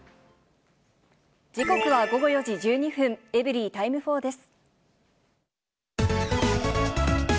時刻は午後４時１２分、エブリィタイム４です。